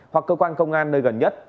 hoặc cơ quan công ty